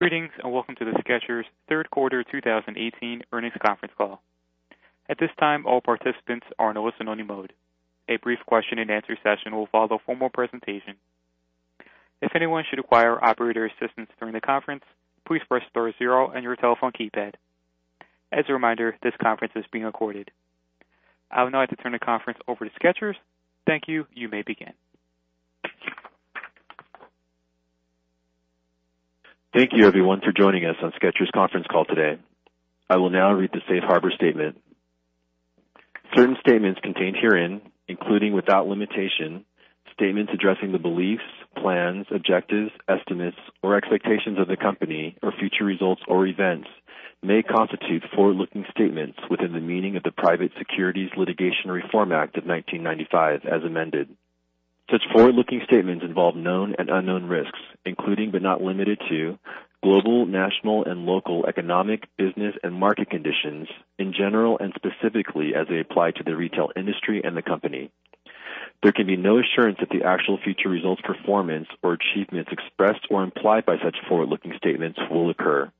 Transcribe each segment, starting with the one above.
Greetings, and welcome to the Skechers' third quarter 2018 earnings conference call. At this time, all participants are in listen-only mode. A brief question and answer session will follow the formal presentation. If anyone should require operator assistance during the conference, please press star zero on your telephone keypad. As a reminder, this conference is being recorded. I would now like to turn the conference over to Skechers. Thank you. You may begin. Thank you, everyone, for joining us on Skechers' conference call today. I will now read the safe harbor statement. Certain statements contained herein, including, without limitation, statements addressing the beliefs, plans, objectives, estimates, or expectations of the company or future results or events, may constitute forward-looking statements within the meaning of the Private Securities Litigation Reform Act of 1995 as amended. Such forward-looking statements involve known and unknown risks, including but not limited to global, national, and local economic, business, and market conditions in general and specifically as they apply to the retail industry and the company. There can be no assurance that the actual future results, performance, or achievements expressed or implied by such forward-looking statements will occur.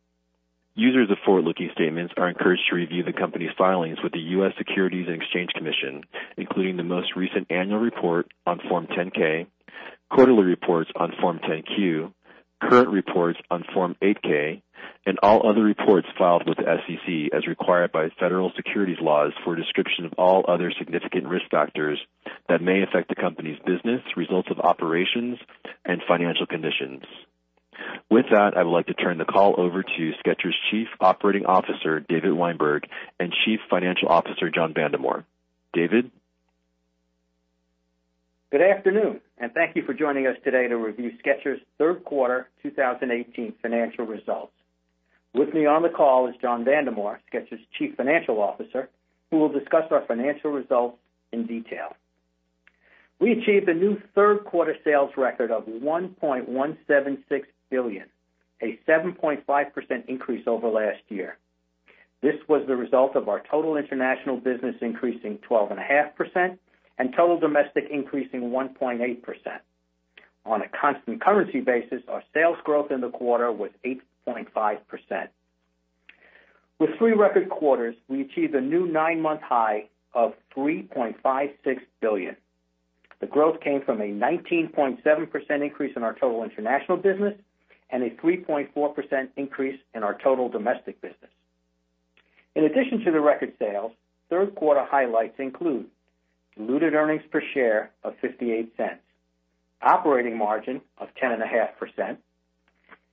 Users of forward-looking statements are encouraged to review the company's filings with the U.S. Securities and Exchange Commission, including the most recent annual report on Form 10-K, quarterly reports on Form 10-Q, current reports on Form 8-K, and all other reports filed with the SEC as required by federal securities laws for a description of all other significant risk factors that may affect the company's business, results of operations, and financial conditions. With that, I would like to turn the call over to Skechers' Chief Operating Officer, David Weinberg, and Chief Financial Officer, John Vandemore. David? Good afternoon, and thank you for joining us today to review Skechers' third quarter 2018 financial results. With me on the call is John Vandemore, Skechers' Chief Financial Officer, who will discuss our financial results in detail. We achieved a new third-quarter sales record of $1.176 billion, a 7.5% increase over last year. This was the result of our total international business increasing 12.5% and total domestic increasing 1.8%. On a constant currency basis, our sales growth in the quarter was 8.5%. With three record quarters, we achieved a new nine-month high of $3.56 billion. The growth came from a 19.7% increase in our total international business and a 3.4% increase in our total domestic business. In addition to the record sales, third-quarter highlights include diluted earnings per share of $0.58, operating margin of 10.5%,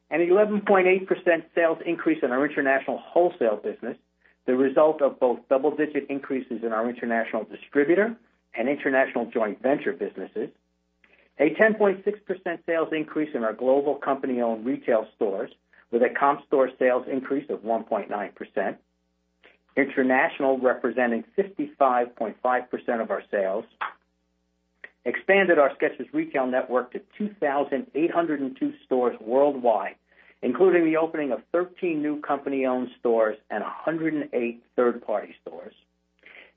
and 11.8% sales increase in our international wholesale business, the result of both double-digit increases in our international distributor and international joint venture businesses. A 10.6% sales increase in our global company-owned retail stores with a comp store sales increase of 1.9%. International representing 55.5% of our sales. Expanded our Skechers retail network to 2,802 stores worldwide, including the opening of 13 new company-owned stores and 108 third-party stores.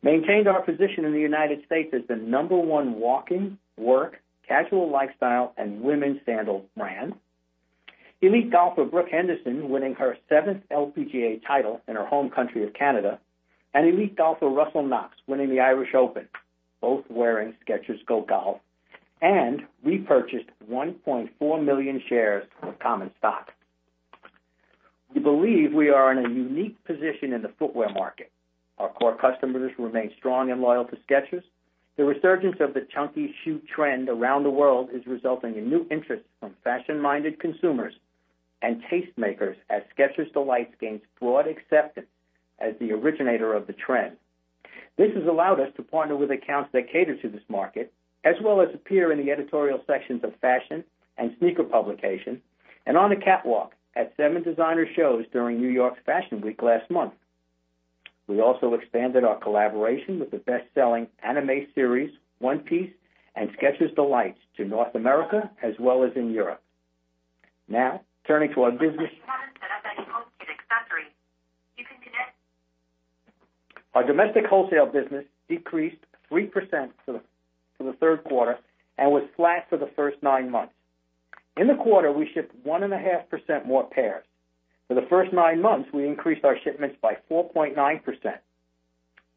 Maintained our position in the U.S. as the number one walking, work, casual lifestyle, and women's sandal brand. Elite golfer Brooke Henderson winning her seventh LPGA title in her home country of Canada, and elite golfer Russell Knox winning the Irish Open, both wearing Skechers GO GOLF. Repurchased 1.4 million shares of common stock. We believe we are in a unique position in the footwear market. Our core customers remain strong and loyal to Skechers. The resurgence of the chunky shoe trend around the world is resulting in new interest from fashion-minded consumers and tastemakers as Skechers D'Lites gains broad acceptance as the originator of the trend. This has allowed us to partner with accounts that cater to this market, as well as appear in the editorial sections of fashion and sneaker publications and on the catwalk at seven designer shows during New York Fashion Week last month. We also expanded our collaboration with the best-selling anime series, "One Piece," and Skechers D'Lites to North America as well as in Europe. Now, turning to our business. Our domestic wholesale business decreased 3% for the third quarter and was flat for the first nine months. In the quarter, we shipped 1.5% more pairs. For the first nine months, we increased our shipments by 4.9%.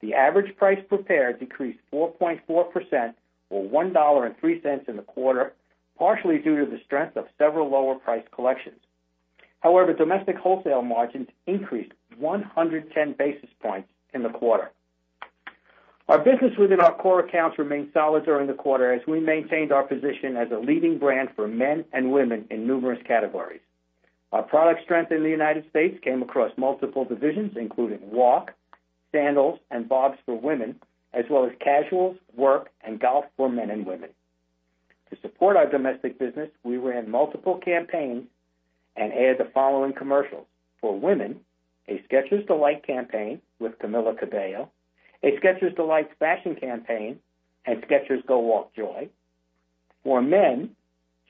The average price per pair decreased 4.4% or $1.03 in the quarter, partially due to the strength of several lower-priced collections. However, domestic wholesale margins increased 110 basis points in the quarter. Our business within our core accounts remained solid during the quarter as we maintained our position as a leading brand for men and women in numerous categories. Our product strength in the U.S. came across multiple divisions, including walk, sandals, and BOBS for women, as well as casuals, work, and golf for men and women. To support our domestic business, we ran multiple campaigns and aired the following commercials. For women, a Skechers D'Lites campaign with Camila Cabello, a Skechers D'Lites fashion campaign, and Skechers GO WALK Joy. For men,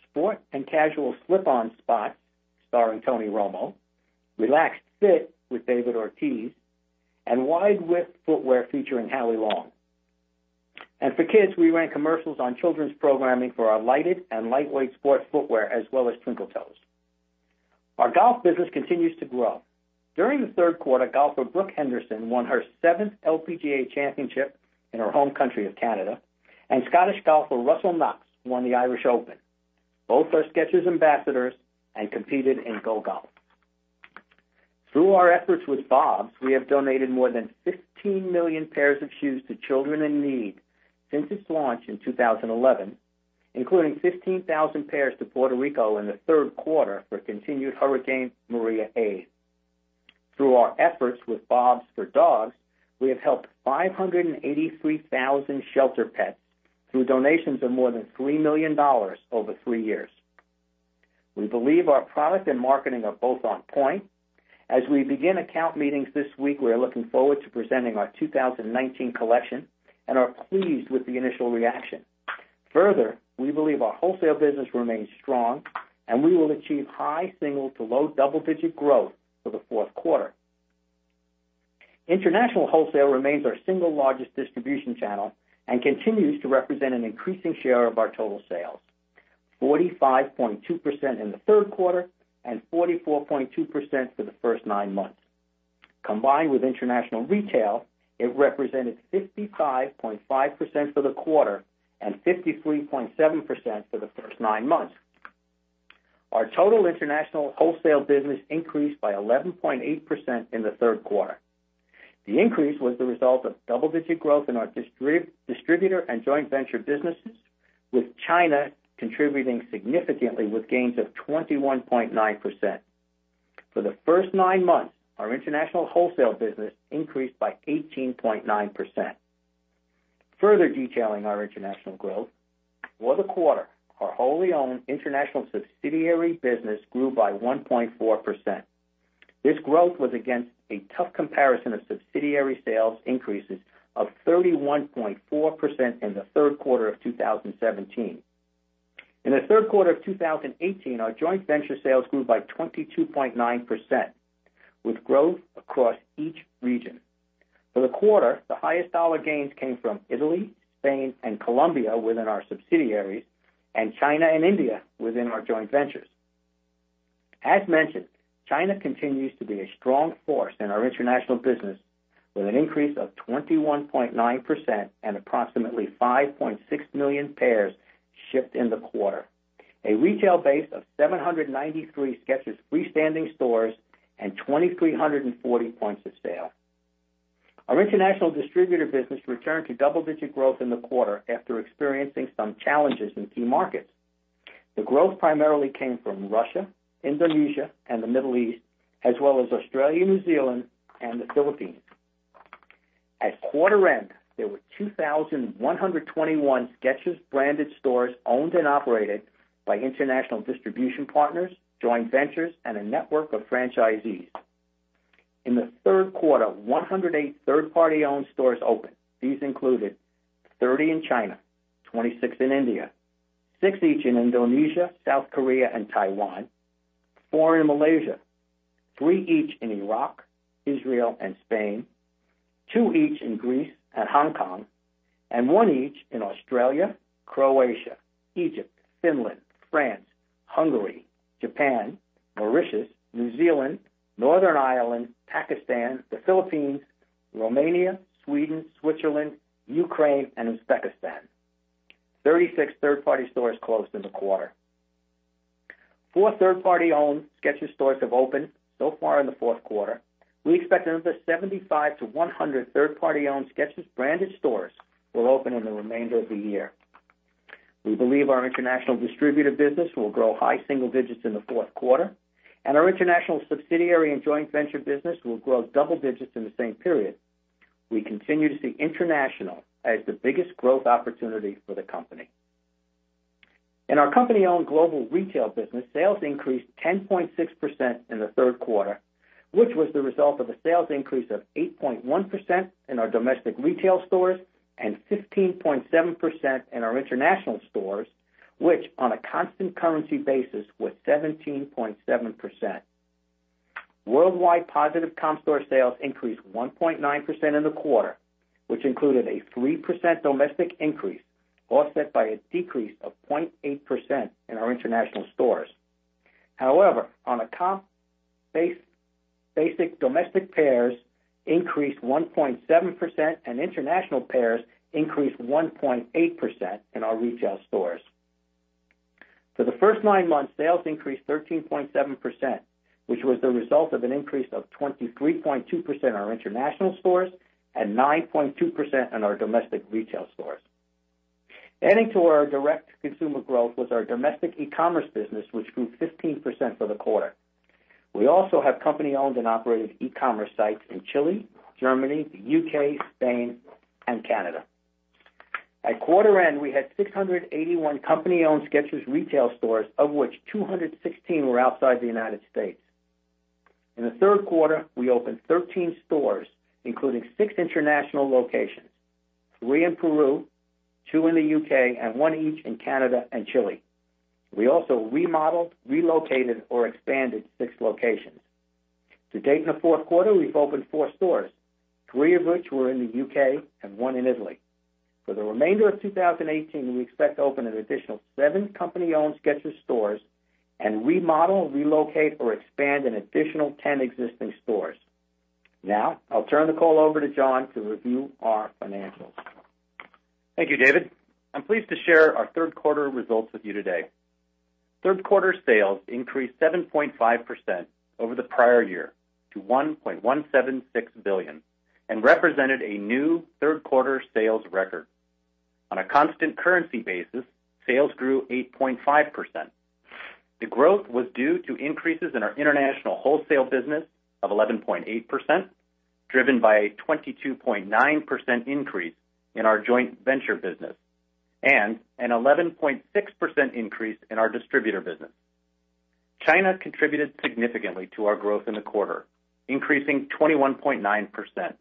sport and casual slip-on spots starring Tony Romo, Relaxed Fit with David Ortiz, and wide-width footwear featuring Howie Long. For kids, we ran commercials on children's programming for our lighted and lightweight sports footwear, as well as Twinkle Toes. Our golf business continues to grow. During the third quarter, golfer Brooke Henderson won her seventh LPGA championship in her home country of Canada, and Scottish golfer Russell Knox won the Irish Open. Both are Skechers ambassadors and competed in GO GOLF. Through our efforts with BOBS, we have donated more than 15 million pairs of shoes to children in need since its launch in 2011, including 15,000 pairs to Puerto Rico in the third quarter for continued Hurricane Maria aid. Through our efforts with BOBS for Dogs, we have helped 583,000 shelter pets through donations of more than $3 million over three years. We believe our product and marketing are both on point. As we begin account meetings this week, we are looking forward to presenting our 2019 collection and are pleased with the initial reaction. Further, we believe our wholesale business remains strong, and we will achieve high single-digit to low-double-digit growth for the fourth quarter. International wholesale remains our single largest distribution channel and continues to represent an increasing share of our total sales, 45.2% in the third quarter and 44.2% for the first nine months. Combined with international retail, it represented 55.5% for the quarter and 53.7% for the first nine months. Our total international wholesale business increased by 11.8% in the third quarter. The increase was the result of double-digit growth in our distributor and joint venture businesses, with China contributing significantly with gains of 21.9%. For the first nine months, our international wholesale business increased by 18.9%. Further detailing our international growth, for the quarter, our wholly owned international subsidiary business grew by 1.4%. This growth was against a tough comparison of subsidiary sales increases of 31.4% in the third quarter of 2017. In the third quarter of 2018, our joint venture sales grew by 22.9%, with growth across each region. For the quarter, the highest dollar gains came from Italy, Spain, and Colombia within our subsidiaries, and China and India within our joint ventures. As mentioned, China continues to be a strong force in our international business with an increase of 21.9% and approximately 5.6 million pairs shipped in the quarter. A retail base of 793 Skechers freestanding stores and 2,340 points of sale. Our international distributor business returned to double-digit growth in the quarter after experiencing some challenges in key markets. The growth primarily came from Russia, Indonesia, and the Middle East, as well as Australia, New Zealand, and the Philippines. At quarter end, there were 2,121 Skechers branded stores owned and operated by international distribution partners, joint ventures, and a network of franchisees. In the third quarter, 108 third party owned stores opened. These included 30 in China, 26 in India, six each in Indonesia, South Korea, and Taiwan, four in Malaysia, three each in Iraq, Israel, and Spain, two each in Greece and Hong Kong, and one each in Australia, Croatia, Egypt, Finland, France, Hungary, Japan, Mauritius, New Zealand, Northern Ireland, Pakistan, the Philippines, Romania, Sweden, Switzerland, Ukraine, and Uzbekistan. Thirty-six third party stores closed in the quarter. Four third party owned Skechers stores have opened so far in the fourth quarter. We expect another 75 to 100 third party owned Skechers branded stores will open in the remainder of the year. We believe our international distributor business will grow high single-digits in the fourth quarter, and our international subsidiary and joint venture business will grow double digits in the same period. We continue to see international as the biggest growth opportunity for the company. In our company-owned global retail business, sales increased 10.6% in the third quarter, which was the result of a sales increase of 8.1% in our domestic retail stores and 15.7% in our international stores, which, on a constant currency basis, was 17.7%. Worldwide positive comp store sales increased 1.9% in the quarter, which included a 3% domestic increase, offset by a decrease of 0.8% in our international stores. On a comp basis, domestic pairs increased 1.7% and international pairs increased 1.8% in our retail stores. For the first nine months, sales increased 13.7%, which was the result of an increase of 23.2% in our international stores and 9.2% in our domestic retail stores. Adding to our direct consumer growth was our domestic e-commerce business, which grew 15% for the quarter. We also have company-owned and operated e-commerce sites in Chile, Germany, the U.K., Spain, and Canada. At quarter end, we had 681 company-owned Skechers retail stores, of which 216 were outside the United States. In the third quarter, we opened 13 stores, including six international locations, three in Peru, two in the U.K., and one each in Canada and Chile. We also remodeled, relocated, or expanded six locations. To date, in the fourth quarter, we've opened four stores, three of which were in the U.K. and one in Italy. For the remainder of 2018, we expect to open an additional seven company-owned Skechers stores and remodel, relocate, or expand an additional 10 existing stores. I'll turn the call over to John to review our financials. Thank you, David. I'm pleased to share our third quarter results with you today. Third-quarter sales increased 7.5% over the prior year to $1.176 billion and represented a new third-quarter sales record. On a constant currency basis, sales grew 8.5%. The growth was due to increases in our international wholesale business of 11.8%, driven by a 22.9% increase in our joint venture business, and an 11.6% increase in our distributor business. China contributed significantly to our growth in the quarter, increasing 21.9%.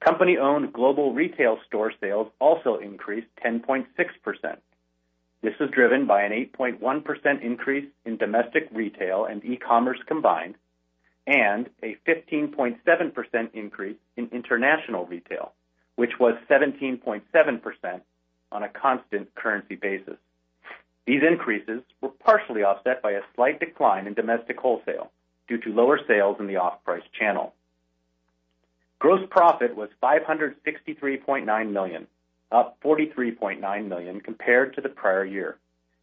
Company-owned global retail store sales also increased 10.6%. This was driven by an 8.1% increase in domestic retail and e-commerce combined, and a 15.7% increase in international retail, which was 17.7% on a constant currency basis. These increases were partially offset by a slight decline in domestic wholesale due to lower sales in the off-price channel. Gross profit was $563.9 million, up $43.9 million compared to the prior year,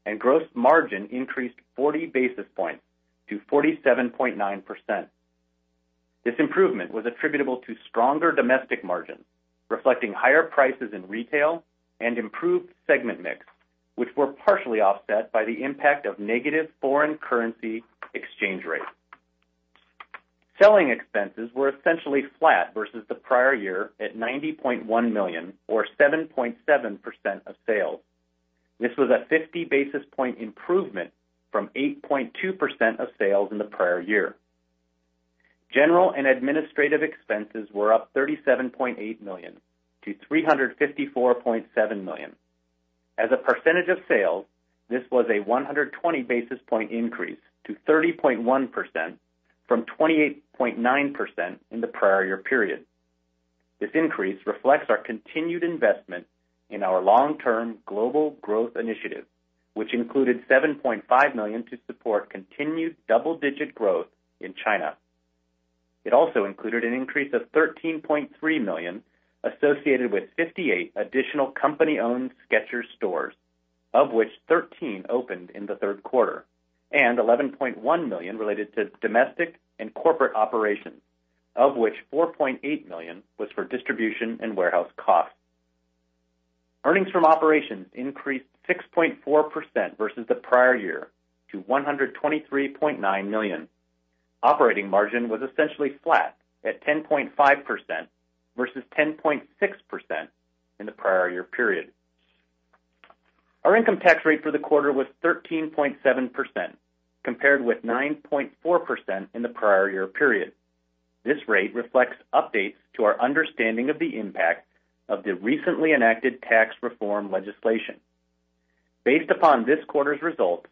and gross margin increased 40 basis points to 47.9%. This improvement was attributable to stronger domestic margins, reflecting higher prices in retail and improved segment mix, which were partially offset by the impact of negative foreign currency exchange rates. Selling expenses were essentially flat versus the prior year at $90.1 million or 7.7% of sales. This was a 50 basis point improvement from 8.2% of sales in the prior year. General and administrative expenses were up $37.8 million to $354.7 million. As a percentage of sales, this was a 120 basis point increase to 30.1% from 28.9% in the prior year period. This increase reflects our continued investment in our long-term global growth initiative, which included $7.5 million to support continued double-digit growth in China. It also included an increase of $13.3 million associated with 58 additional company-owned Skechers stores, of which 13 opened in the third quarter, and $11.1 million related to domestic and corporate operations, of which $4.8 million was for distribution and warehouse costs. Earnings from operations increased 6.4% versus the prior year to $123.9 million. Operating margin was essentially flat at 10.5% versus 10.6% in the prior year period. Our income tax rate for the quarter was 13.7%, compared with 9.4% in the prior year period. This rate reflects updates to our understanding of the impact of the recently enacted tax reform legislation. Based upon this quarter's results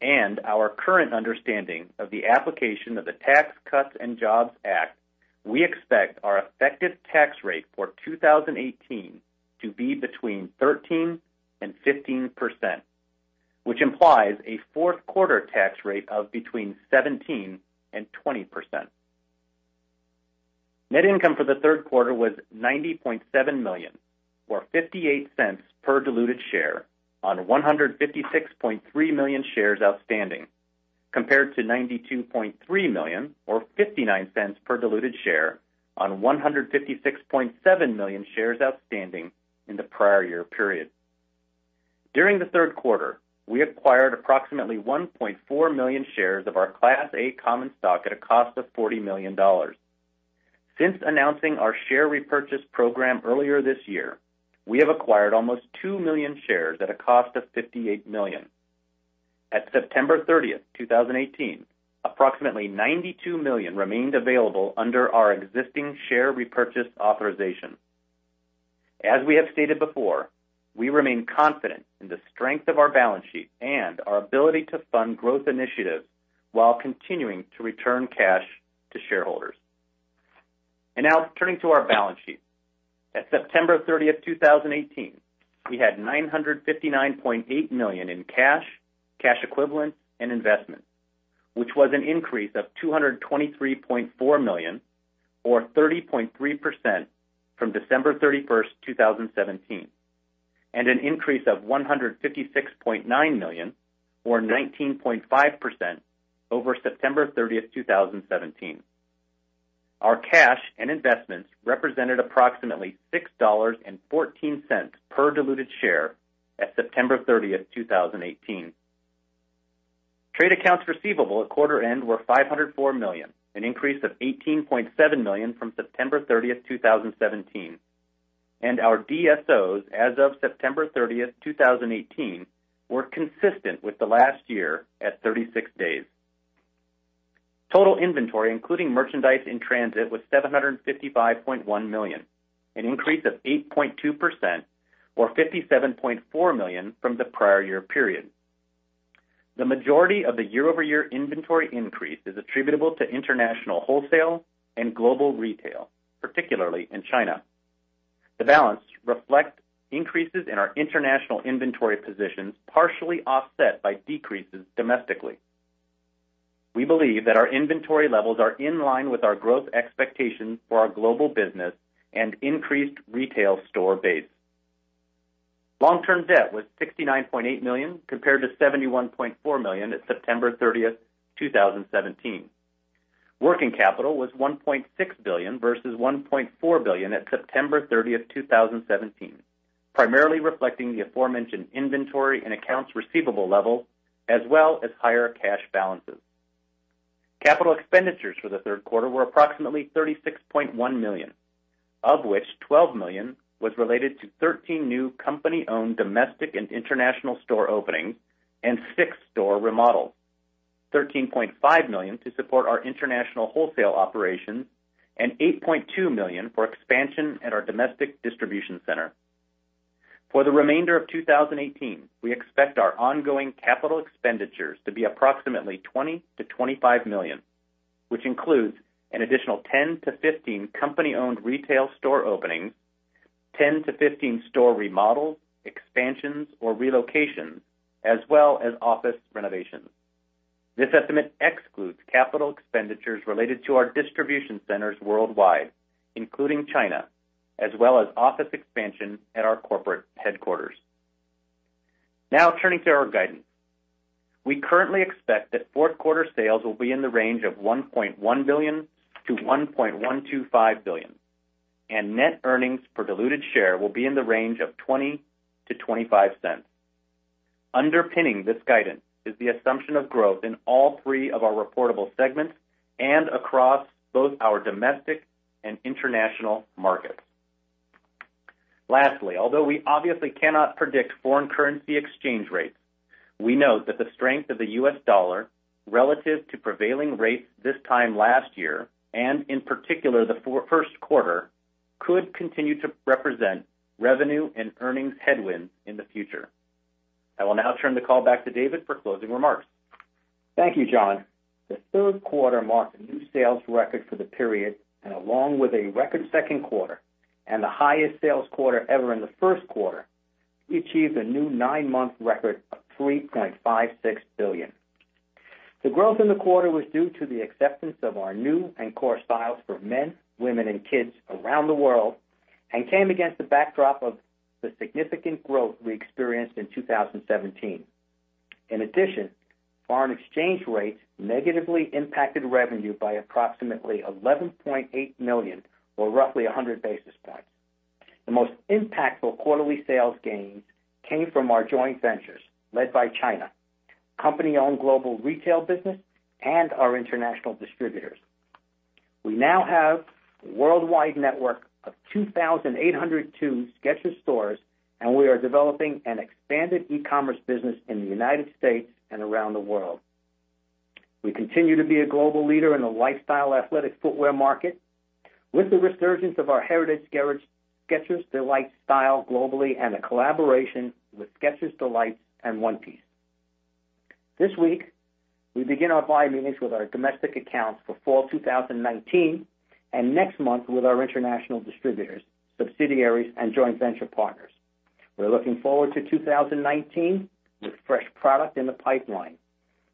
and our current understanding of the application of the Tax Cuts and Jobs Act, we expect our effective tax rate for 2018 to be between 13% and 15%, which implies a fourth quarter tax rate of between 17% and 20%. Net income for the third quarter was $90.7 million or $0.58 per diluted share on 156.3 million shares outstanding, compared to $92.3 million or $0.59 per diluted share on 156.7 million shares outstanding in the prior year period. During the third quarter, we acquired approximately 1.4 million shares of our Class A common stock at a cost of $40 million. Since announcing our share repurchase program earlier this year, we have acquired almost 2 million shares at a cost of $58 million. At September 30th, 2018, approximately $92 million remained available under our existing share repurchase authorization. Now turning to our balance sheet. At September 30th, 2018, we had $959.8 million in cash equivalents, and investments, which was an increase of $223.4 million or 30.3% from December 31st, 2017, and an increase of $156.9 million or 19.5% over September 30th, 2017. Our cash and investments represented approximately $6.14 per diluted share at September 30th, 2018. Trade accounts receivable at quarter end were $504 million, an increase of $18.7 million from September 30th, 2017, and our DSOs as of September 30th, 2018, were consistent with the last year at 36 days. Total inventory, including merchandise in transit, was $755.1 million, an increase of 8.2% or $57.4 million from the prior year period. The majority of the year-over-year inventory increase is attributable to international wholesale and global retail, particularly in China. The balance reflects increases in our international inventory positions, partially offset by decreases domestically. We believe that our inventory levels are in line with our growth expectations for our global business and increased retail store base. Long-term debt was $69.8 million, compared to $71.4 million at September 30th, 2017. Working capital was $1.6 billion versus $1.4 billion at September 30th, 2017, primarily reflecting the aforementioned inventory and accounts receivable levels, as well as higher cash balances. Capital expenditures for the third quarter were approximately $36.1 million, of which $12 million was related to 13 new company-owned domestic and international store openings and six store remodels, $13.5 million to support our international wholesale operations, and $8.2 million for expansion at our domestic distribution center. For the remainder of 2018, we expect our ongoing capital expenditures to be approximately $20 million-$25 million, which includes an additional 10-15 company-owned retail store openings, 10-15 store remodels, expansions, or relocations, as well as office renovations. This estimate excludes capital expenditures related to our distribution centers worldwide, including China, as well as office expansion at our corporate headquarters. Turning to our guidance. We currently expect that fourth quarter sales will be in the range of $1.1 billion-$1.125 billion, and net earnings per diluted share will be in the range of $0.20-$0.25. Underpinning this guidance is the assumption of growth in all three of our reportable segments and across both our domestic and international markets. Lastly, although we obviously cannot predict foreign currency exchange rates, we note that the strength of the U.S. dollar relative to prevailing rates this time last year and, in particular, the first quarter, could continue to represent revenue and earnings headwinds in the future. I will now turn the call back to David for closing remarks. Thank you, John. The third quarter marked a new sales record for the period, along with a record second quarter and the highest sales quarter ever in the first quarter, we achieved a new nine-month record of $3.56 billion. The growth in the quarter was due to the acceptance of our new and core styles for men, women, and kids around the world, and came against the backdrop of the significant growth we experienced in 2017. In addition, foreign exchange rates negatively impacted revenue by approximately $11.8 million, or roughly 100 basis points. The most impactful quarterly sales gains came from our joint ventures, led by China, company-owned global retail business, and our international distributors. We now have a worldwide network of 2,802 Skechers stores, and we are developing an expanded e-commerce business in the United States and around the world. We continue to be a global leader in the lifestyle athletic footwear market with the resurgence of our heritage Skechers D'Lites style globally and a collaboration with Skechers D'Lites and One Piece. This week, we begin our buy meetings with our domestic accounts for Fall 2019, and next month with our international distributors, subsidiaries, and joint venture partners. We are looking forward to 2019 with fresh product in the pipeline.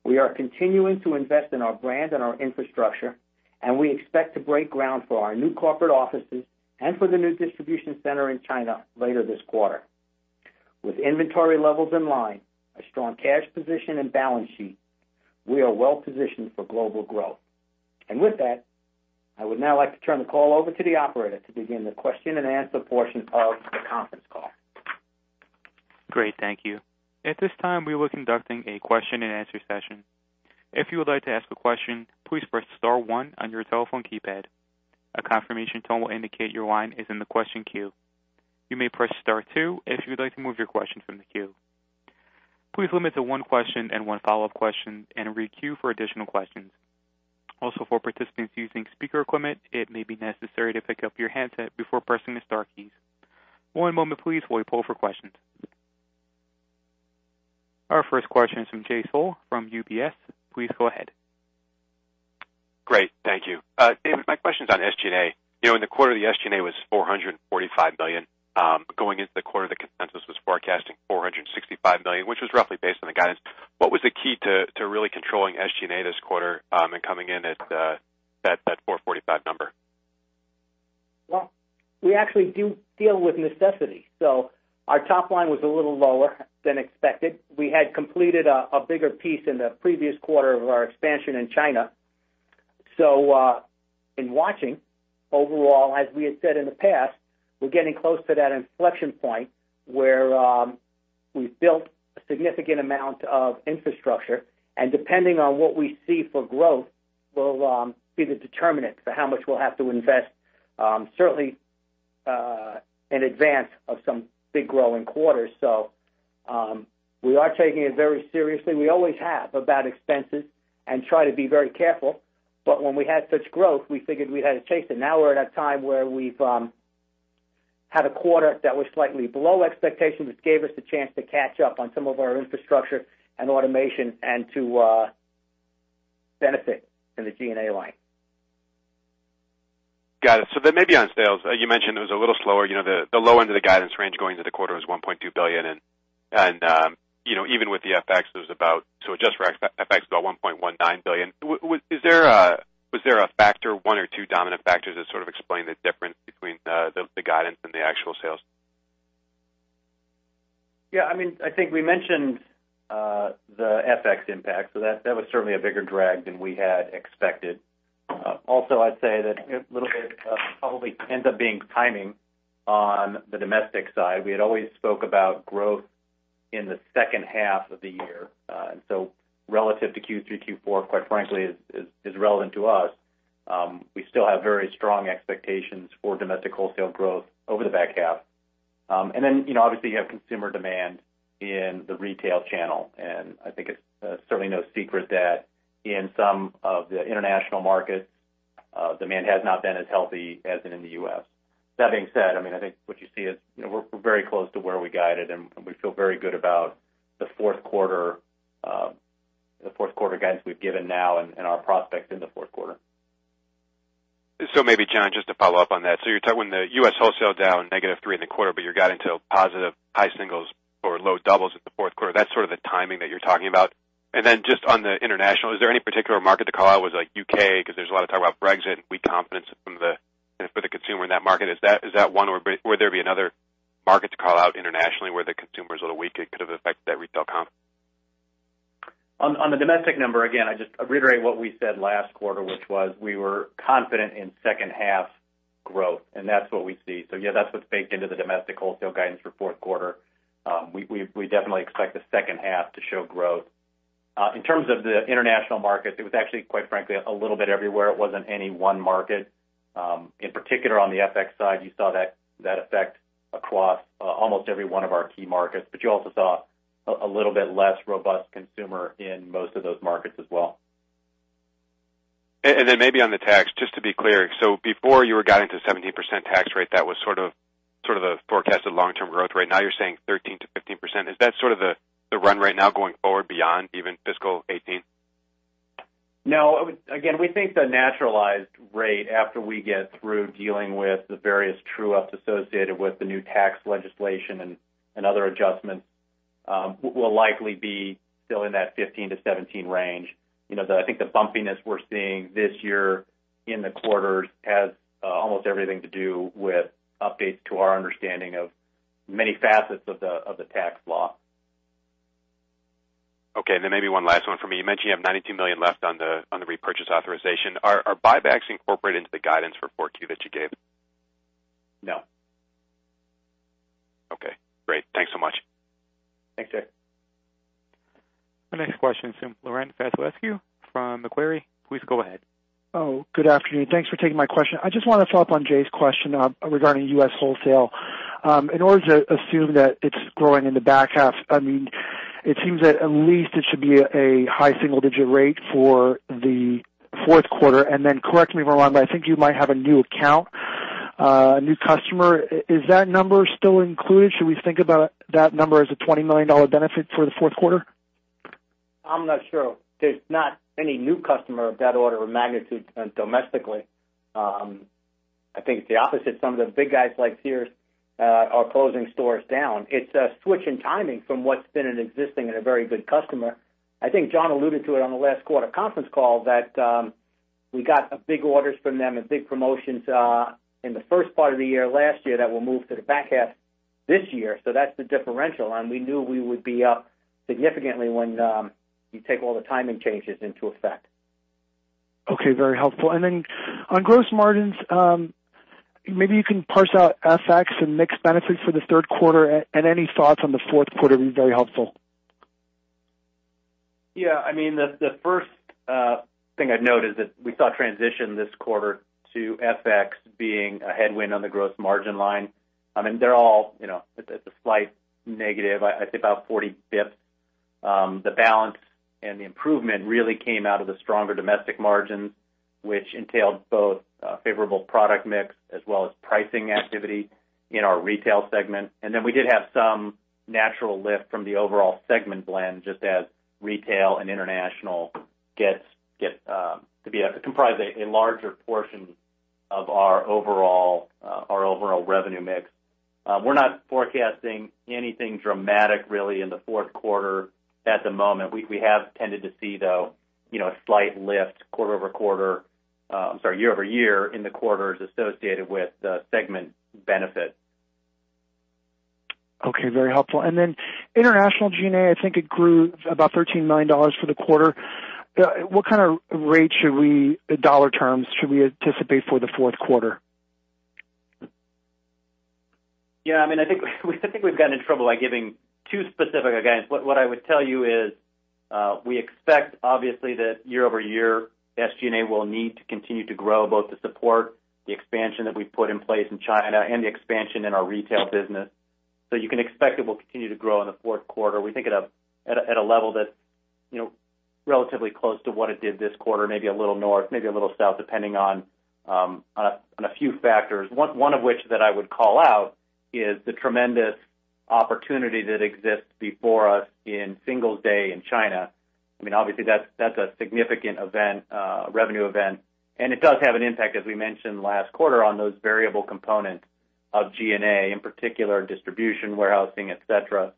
We are continuing to invest in our brand and our infrastructure, and we expect to break ground for our new corporate offices and for the new distribution center in China later this quarter. With inventory levels in line, a strong cash position and balance sheet, we are well positioned for global growth. With that, I would now like to turn the call over to the operator to begin the question and answer portion of the conference call. Great, thank you. At this time, we will be conducting a question and answer session. If you would like to ask a question, please press *1 on your telephone keypad. A confirmation tone will indicate your line is in the question queue. You may press *2 if you would like to remove your question from the queue. Please limit to one question and one follow-up question and re-queue for additional questions. Also, for participants using speaker equipment, it may be necessary to pick up your handset before pressing the star keys. One moment please while we poll for questions. Our first question is from Jay Sole from UBS. Please go ahead. Great, thank you. David, my question's on SG&A. In the quarter, the SG&A was $445 million. Going into the quarter, the consensus was forecasting $465 million, which was roughly based on the guidance. What was the key to really controlling SG&A this quarter and coming in at that $445 number? Well, we actually do deal with necessity. Our top line was a little lower than expected. We had completed a bigger piece in the previous quarter of our expansion in China. In watching overall, as we had said in the past, we're getting close to that inflection point where we've built a significant amount of infrastructure, and depending on what we see for growth will be the determinant for how much we'll have to invest, certainly in advance of some big growing quarters. We are taking it very seriously. We always have about expenses and try to be very careful. When we had such growth, we figured we had to chase it. Now we're at a time where we've had a quarter that was slightly below expectations, which gave us the chance to catch up on some of our infrastructure and automation and to benefit in the G&A line. Got it. Maybe on sales, you mentioned it was a little slower. The low end of the guidance range going into the quarter was $1.2 billion, and even with the FX, it was about, so adjust for FX, about $1.19 billion. Was there a factor, one or two dominant factors that sort of explain the difference between the guidance and the actual sales? Yeah. I think we mentioned the FX impact, that was certainly a bigger drag than we had expected. Also, I'd say that a little bit probably ends up being timing on the domestic side. We had always spoke about growth in the second half of the year. Relative to Q3, Q4, quite frankly, is relevant to us. We still have very strong expectations for domestic wholesale growth over the back half. Obviously, you have consumer demand in the retail channel, and I think it's certainly no secret that in some of the international markets, demand has not been as healthy as in the U.S. That being said, I think what you see is we're very close to where we guided, and we feel very good about the fourth quarter guidance we've given now and our prospects in the fourth quarter. Maybe, John, just to follow up on that. You're talking when the U.S. wholesale down negative three in the quarter, but you're guiding to a positive high singles or low doubles in the fourth quarter. That's sort of the timing that you're talking about. Just on the international, is there any particular market to call out? Was it like U.K.? Because there's a lot of talk about Brexit and weak confidence for the consumer in that market. Is that one, or would there be another market to call out internationally where the consumer is a little weaker, could have affected that retail comp? On the domestic number, again, I just reiterate what we said last quarter, which was we were confident in second half growth, and that's what we see. Yeah, that's what's baked into the domestic wholesale guidance for fourth quarter. We definitely expect the second half to show growth. In terms of the international markets, it was actually, quite frankly, a little bit everywhere. It wasn't any one market. In particular on the FX side, you saw that effect across almost every one of our key markets. You also saw a little bit less robust consumer in most of those markets as well. Maybe on the tax, just to be clear. Before you were guiding to 17% tax rate, that was sort of the forecasted long-term growth rate. Now you're saying 13%-15%. Is that sort of the run right now going forward beyond even fiscal 2018? No. Again, we think the naturalized rate after we get through dealing with the various true-ups associated with the new tax legislation and other adjustments will likely be still in that 15%-17% range. I think the bumpiness we're seeing this year in the quarters has almost everything to do with updates to our understanding of many facets of the tax law. Okay, maybe one last one for me. You mentioned you have $92 million left on the repurchase authorization. Are buybacks incorporated into the guidance for 4Q that you gave? No. Okay, great. Thanks so much. Thanks, Jay. The next question is from Laurent Vasilescu from Macquarie. Please go ahead. Good afternoon. Thanks for taking my question. I just want to follow up on Jay's question regarding U.S. wholesale. In order to assume that it's growing in the back half, it seems that at least it should be a high single-digit rate for the fourth quarter. Correct me if I'm wrong, but I think you might have a new account, a new customer. Is that number still included? Should we think about that number as a $20 million benefit for the fourth quarter? I'm not sure. There's not any new customer of that order of magnitude domestically. I think it's the opposite. Some of the big guys like Sears are closing stores down. It's a switch in timing from what's been an existing and a very good customer. I think John alluded to it on the last quarter conference call that we got big orders from them and big promotions in the first part of the year, last year that will move to the back half this year. That's the differential, and we knew we would be up significantly when you take all the timing changes into effect. Okay. Very helpful. On gross margins, maybe you can parse out FX and mix benefits for the third quarter, any thoughts on the fourth quarter would be very helpful. Yeah. The first thing I'd note is that we saw a transition this quarter to FX being a headwind on the gross margin line. They're all at the slight negative, I'd say about 40 basis points. The balance and the improvement really came out of the stronger domestic margins, which entailed both favorable product mix as well as pricing activity in our retail segment. We did have some natural lift from the overall segment blend, just as retail and international comprise a larger portion of our overall revenue mix. We're not forecasting anything dramatic really in the fourth quarter at the moment. We have tended to see, though, a slight lift quarter-over-quarter year-over-year in the quarters associated with segment benefit. Okay. Very helpful. International G&A, I think it grew about $13 million for the quarter. What kind of rate in dollar terms should we anticipate for the fourth quarter? Yeah, I think we've gotten in trouble by giving too specific a guidance. What I would tell you is we expect, obviously, that year-over-year, SG&A will need to continue to grow both to support the expansion that we've put in place in China and the expansion in our retail business. You can expect it will continue to grow in the fourth quarter. We think at a level that's relatively close to what it did this quarter, maybe a little north, maybe a little south, depending on a few factors. One of which that I would call out is the tremendous opportunity that exists before us in Singles' Day in China. Obviously, that's a significant revenue event, it does have an impact, as we mentioned last quarter, on those variable components of G&A, in particular, distribution, warehousing, et cetera.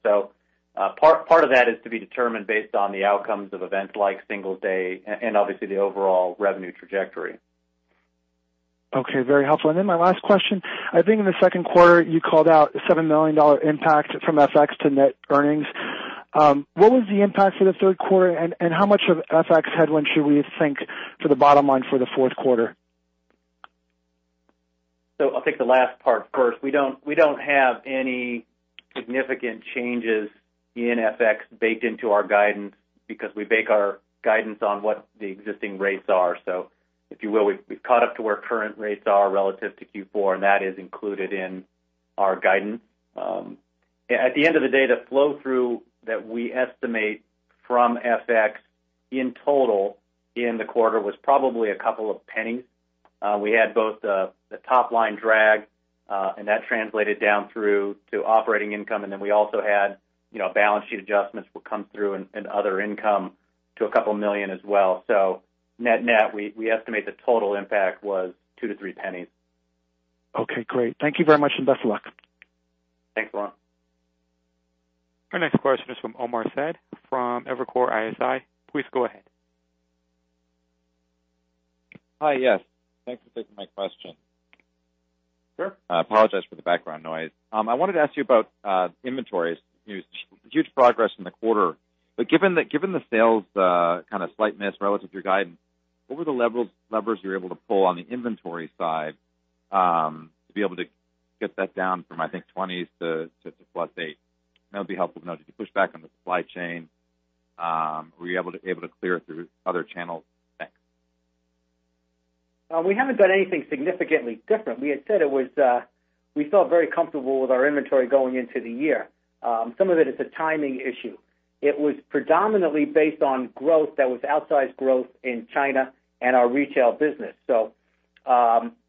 Part of that is to be determined based on the outcomes of events like Singles' Day and obviously the overall revenue trajectory. Okay. Very helpful. My last question. I think in the second quarter, you called out a $7 million impact from FX to net earnings. What was the impact for the third quarter, and how much of FX headwind should we think for the bottom line for the fourth quarter? I'll take the last part first. We don't have any significant changes in FX baked into our guidance because we bake our guidance on what the existing rates are. If you will, we've caught up to where current rates are relative to Q4, and that is included in our guidance. At the end of the day, the flow-through that we estimate from FX in total in the quarter was probably $0.02. We had both the top-line drag, and that translated down through to operating income. We also had balance sheet adjustments would come through in other income to $2 million as well. Net-net, we estimate the total impact was $0.02-$0.03. Okay, great. Thank you very much, and best of luck. Thanks, Laurent. Our next question is from Omar Saad from Evercore ISI. Please go ahead. Hi. Yes. Thanks for taking my question. Sure. I apologize for the background noise. I wanted to ask you about inventories. Huge progress in the quarter. Given the sales kind of slight miss relative to your guidance, what were the levers you were able to pull on the inventory side to be able to get that down from, I think, 20s to +8? That would be helpful to know. Did you push back on the supply chain? Were you able to clear through other channels? Thanks. We haven't done anything significantly different. We had said we felt very comfortable with our inventory going into the year. Some of it is a timing issue. It was predominantly based on growth that was outsized growth in China and our retail business.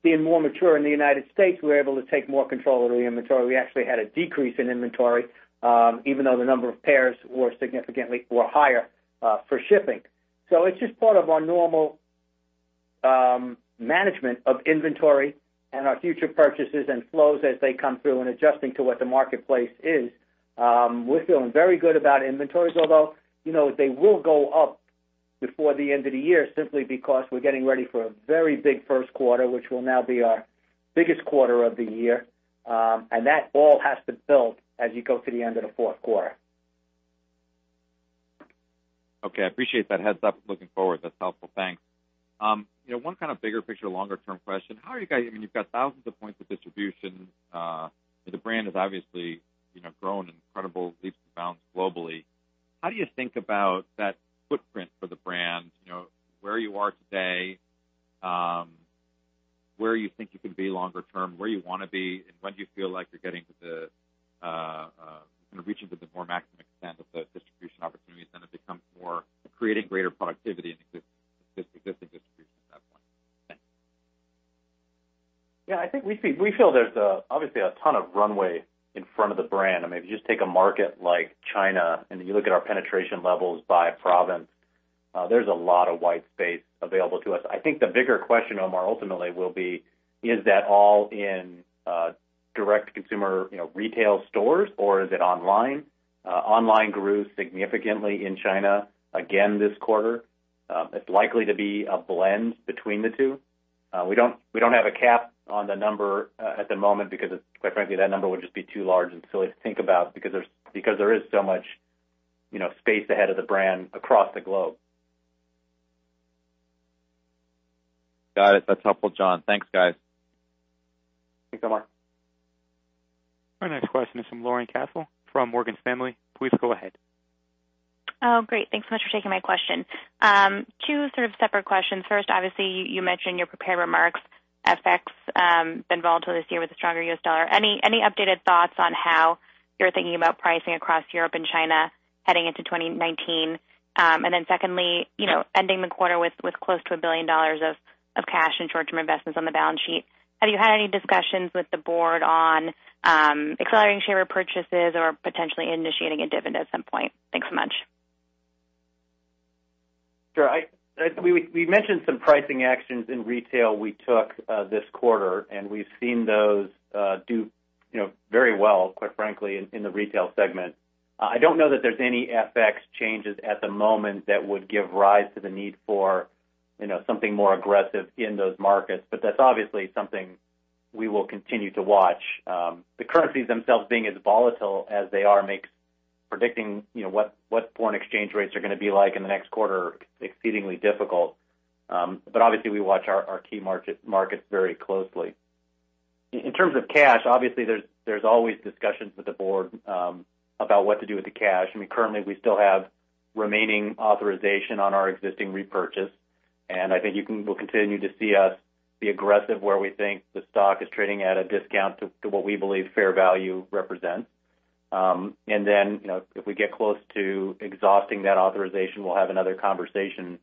Being more mature in the U.S., we were able to take more control over the inventory. We actually had a decrease in inventory, even though the number of pairs were significantly higher for shipping. It's just part of our normal management of inventory and our future purchases and flows as they come through and adjusting to what the marketplace is. We're feeling very good about inventories, although, they will go up before the end of the year simply because we're getting ready for a very big first quarter, which will now be our biggest quarter of the year. That all has to build as you go to the end of the fourth quarter. Okay. I appreciate that heads up looking forward. That's helpful. Thanks. One kind of bigger picture, longer-term question. You've got thousands of points of distribution. The brand has obviously grown incredible leaps and bounds globally. How do you think about that footprint for the brand? Where you are today, where you think you can be longer term, where you want to be, and when do you feel like you're reaching to the more maximum extent of the distribution opportunities, then it becomes more creating greater productivity in existing distribution at that point? Thanks. Yeah, I think we feel there's obviously a ton of runway in front of the brand. If you just take a market like China and you look at our penetration levels by province, there's a lot of white space available to us. I think the bigger question, Omar, ultimately will be, is that all in direct consumer retail stores or is it online? Online grew significantly in China again this quarter. It's likely to be a blend between the two. We don't have a cap on the number at the moment because, quite frankly, that number would just be too large and silly to think about because there is so much space ahead of the brand across the globe. Got it. That's helpful, John. Thanks, guys. Thanks, Omar. Our next question is from Lauren Cassel from Morgan Stanley. Please go ahead. Great. Thanks so much for taking my question. Two sort of separate questions. First, obviously, you mentioned in your prepared remarks, FX been volatile this year with the stronger U.S. dollar. Any updated thoughts on how you're thinking about pricing across Europe and China heading into 2019? Secondly, ending the quarter with close to $1 billion of cash and short-term investments on the balance sheet. Have you had any discussions with the board on accelerating share repurchases or potentially initiating a dividend at some point? Thanks so much. Sure. We mentioned some pricing actions in retail we took this quarter, we've seen those do very well, quite frankly, in the retail segment. I don't know that there's any FX changes at the moment that would give rise to the need for something more aggressive in those markets. That's obviously something we will continue to watch. The currencies themselves being as volatile as they are makes predicting what foreign exchange rates are going to be like in the next quarter exceedingly difficult. Obviously, we watch our key markets very closely. In terms of cash, obviously, there's always discussions with the board about what to do with the cash. Currently, we still have remaining authorization on our existing repurchase, I think you will continue to see us be aggressive where we think the stock is trading at a discount to what we believe fair value represents. If we get close to exhausting that authorization, we'll have another conversation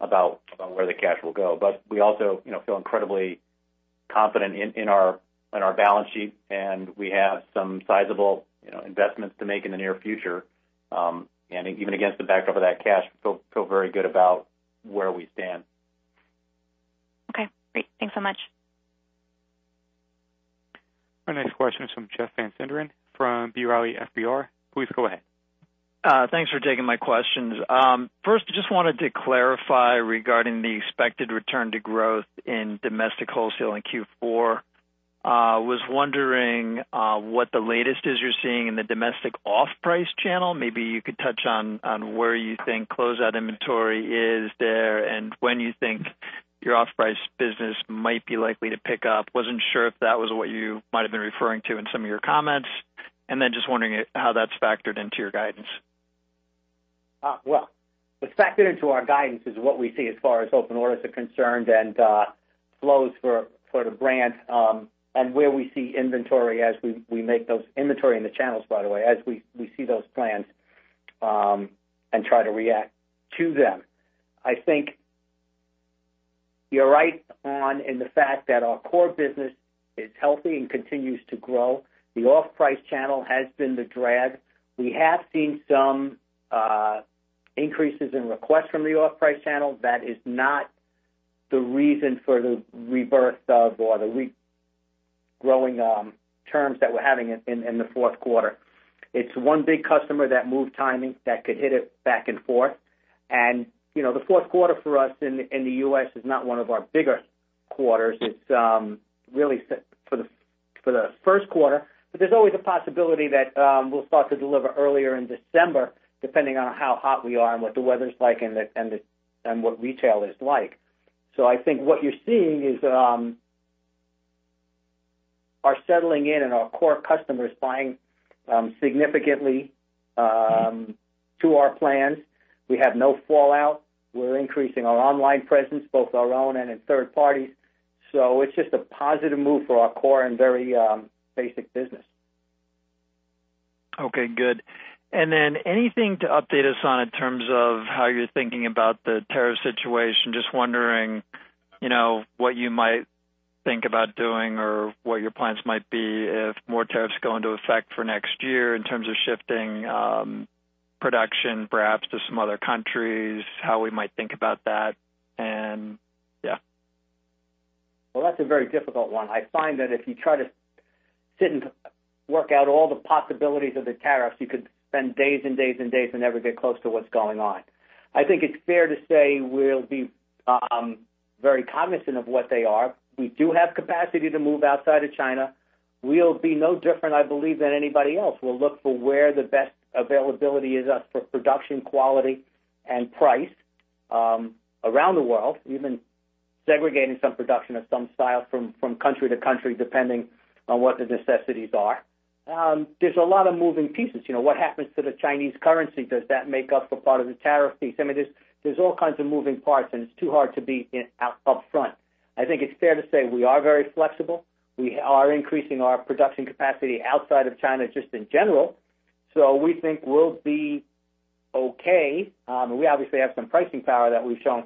about where the cash will go. We also feel incredibly confident in our balance sheet, and we have some sizable investments to make in the near future. Even against the backdrop of that cash, we feel very good about where we stand. Okay, great. Thanks so much. Our next question is from Jeff Van Sinderen from B. Riley FBR. Please go ahead. Thanks for taking my questions. First, just wanted to clarify regarding the expected return to growth in domestic wholesale in Q4. I was wondering what the latest is you're seeing in the domestic off-price channel. Maybe you could touch on where you think closeout inventory is there, and when you think your off-price business might be likely to pick up. Wasn't sure if that was what you might have been referring to in some of your comments. Just wondering how that's factored into your guidance. Well, what's factored into our guidance is what we see as far as open orders are concerned and flows for the brand, and where we see inventory as we make those Inventory in the channels, by the way, as we see those plans, and try to react to them. I think you're right on in the fact that our core business is healthy and continues to grow. The off-price channel has been the drag. We have seen some increases in requests from the off-price channel. That is not the reason for the rebirth of or the regrowing terms that we're having in the fourth quarter. It's one big customer that moved timing that could hit it back and forth. The fourth quarter for us in the U.S. is not one of our bigger quarters. It's really for the first quarter. There's always a possibility that we'll start to deliver earlier in December, depending on how hot we are and what the weather's like and what retail is like. I think what you're seeing is our settling in and our core customers buying significantly to our plans. We have no fallout. We're increasing our online presence, both our own and in third parties. It's just a positive move for our core and very basic business. Okay, good. Anything to update us on in terms of how you're thinking about the tariff situation? Just wondering what you might think about doing or what your plans might be if more tariffs go into effect for next year in terms of shifting production perhaps to some other countries, how we might think about that. Well, that's a very difficult one. I find that if you try to sit and work out all the possibilities of the tariffs, you could spend days and days and days and never get close to what's going on. I think it's fair to say we'll be very cognizant of what they are. We do have capacity to move outside of China. We'll be no different, I believe, than anybody else. We'll look for where the best availability is as for production quality and price around the world, even segregating some production of some style from country to country, depending on what the necessities are. There's a lot of moving pieces. What happens to the Chinese currency? Does that make up for part of the tariff piece? There's all kinds of moving parts, and it's too hard to be upfront. I think it's fair to say we are very flexible. We are increasing our production capacity outside of China just in general. We think we'll be okay. We obviously have some pricing power that we've shown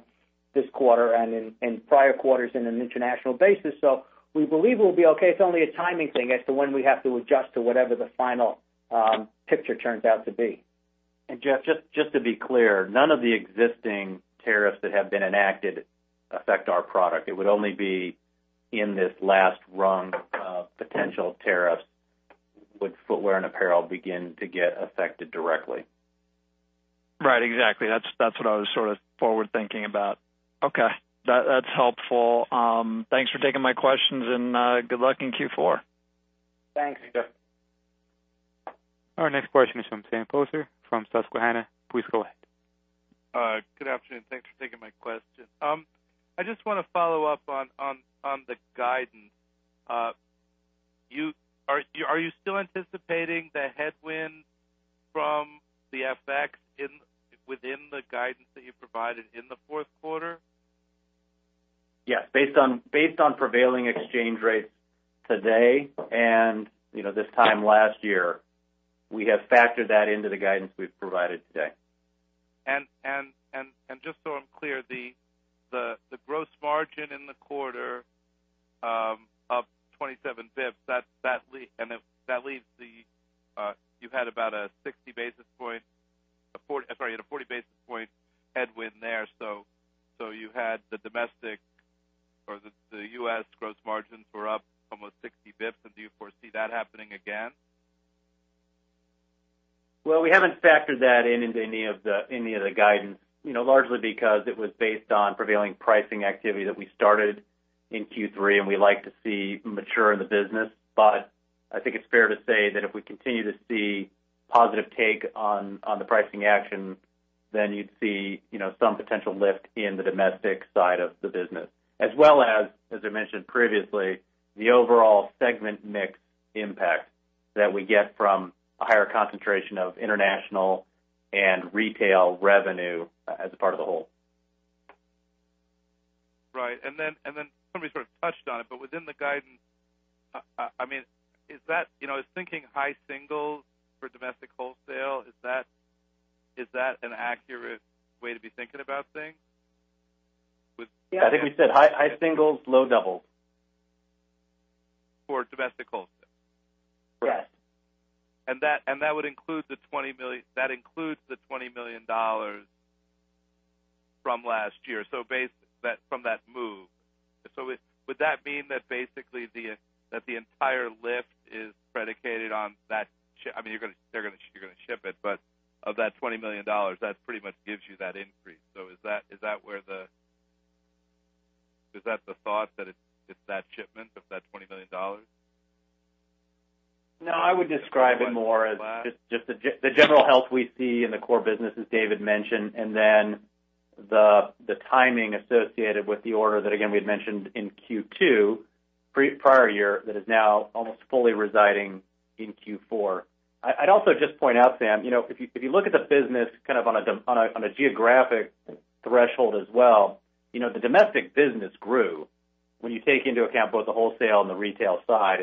this quarter and in prior quarters in an international basis. We believe we'll be okay. It's only a timing thing as to when we have to adjust to whatever the final picture turns out to be. Jeff, just to be clear, none of the existing tariffs that have been enacted affect our product. It would only be in this last rung of potential tariffs would footwear and apparel begin to get affected directly. Right. Exactly. That's what I was sort of forward-thinking about. Okay. That's helpful. Thanks for taking my questions, and good luck in Q4. Thanks, Jeff. Our next question is from Sam Poser from Susquehanna. Please go ahead. Good afternoon. Thanks for taking my question. I just want to follow up on the guidance. Are you still anticipating the headwind from the FX within the guidance that you provided in the fourth quarter? Yes. Based on prevailing exchange rates today and this time last year. We have factored that into the guidance we've provided today. just so I'm clear, the gross margin in the quarter of 40 basis point headwind there. You had the domestic or the U.S. gross margins were up almost 60 basis points. Do you foresee that happening again? We haven't factored that in into any of the guidance. Largely because it was based on prevailing pricing activity that we started in Q3. We like to see mature in the business. I think it's fair to say that if we continue to see positive take on the pricing action, then you'd see some potential lift in the domestic side of the business. As well as I mentioned previously, the overall segment mix impact that we get from a higher concentration of international and retail revenue as a part of the whole. Right. Then somebody sort of touched on it, within the guidance, is thinking high singles for domestic wholesale, is that an accurate way to be thinking about things? I think we said high singles, low doubles. For domestic wholesale? Yes. That includes the $20 million from last year, from that move. Would that mean that basically that the entire lift is predicated on that you're going to ship it, but of that $20 million, that pretty much gives you that increase. Is that the thought that it's that shipment of that $20 million? No, I would describe it more as just the general health we see in the core business, as David mentioned. The timing associated with the order that, again, we had mentioned in Q2 prior year that is now almost fully residing in Q4. I'd also just point out, Sam, if you look at the business on a geographic threshold as well, the domestic business grew when you take into account both the wholesale and the retail side.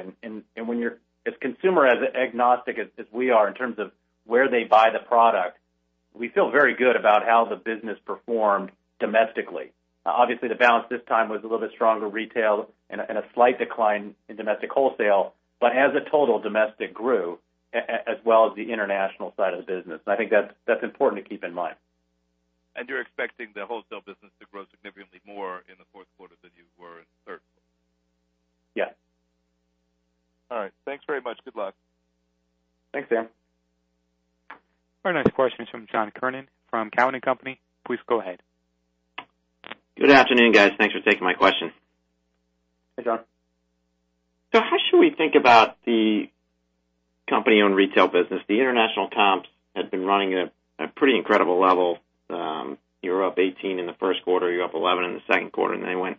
As consumer agnostic as we are in terms of where they buy the product, we feel very good about how the business performed domestically. Obviously, the balance this time was a little bit stronger retail and a slight decline in domestic wholesale. As a total, domestic grew as well as the international side of the business. I think that's important to keep in mind. You're expecting the wholesale business to grow significantly more in the fourth quarter than you were in the third quarter? Yes. All right. Thanks very much. Good luck. Thanks, Sam. Our next question is from John Kernan from Cowen and Company. Please go ahead. Good afternoon, guys. Thanks for taking my question. Hey, John. How should we think about the company-owned retail business? The international comps had been running at a pretty incredible level. You were up 18 in the first quarter, you were up 11 in the second quarter, then it went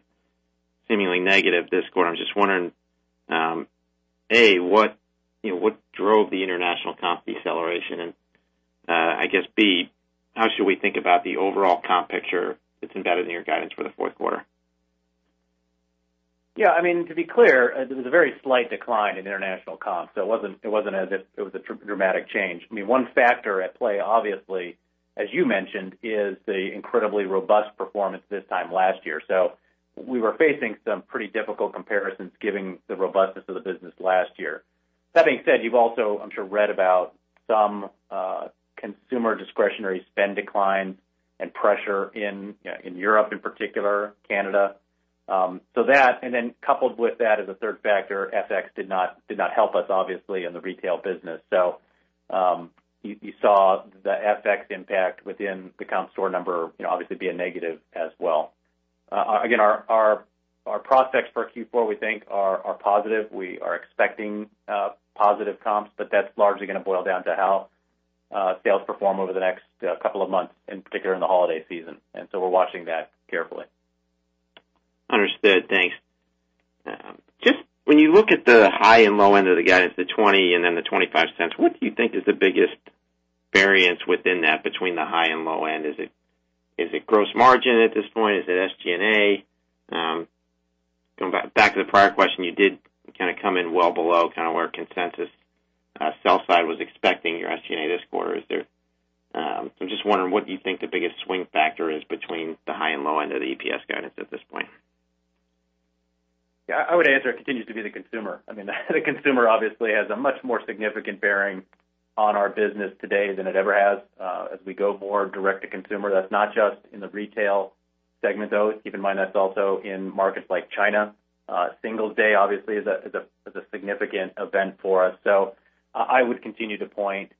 seemingly negative this quarter. I'm just wondering, A, what drove the international comp deceleration? I guess, B, how should we think about the overall comp picture that's embedded in your guidance for the fourth quarter? Yeah. To be clear, it was a very slight decline in international comps. It wasn't as if it was a dramatic change. One factor at play, obviously, as you mentioned, is the incredibly robust performance this time last year. We were facing some pretty difficult comparisons given the robustness of the business last year. That being said, you've also, I'm sure, read about some consumer discretionary spend decline and pressure in Europe in particular, Canada. That, and then coupled with that as a third factor, FX did not help us, obviously, in the retail business. You saw the FX impact within the comp store number obviously be a negative as well. Again, our prospects for Q4, we think, are positive. We are expecting positive comps, but that's largely going to boil down to how sales perform over the next couple of months, in particular in the holiday season. We're watching that carefully. Understood. Thanks. When you look at the high and low end of the guidance, the $0.20 and then the $0.25, what do you think is the biggest variance within that between the high and low end? Is it gross margin at this point? Is it SG&A? Going back to the prior question, you did kind of come in well below kind of where consensus sell side was expecting your SG&A this quarter. I'm just wondering, what do you think the biggest swing factor is between the high and low end of the EPS guidance at this point? Yeah. I would answer it continues to be the consumer. The consumer obviously has a much more significant bearing on our business today than it ever has as we go more direct to consumer. That's not just in the retail segment, though. Keep in mind, that's also in markets like China. Singles' Day obviously is a significant event for us. I would continue to point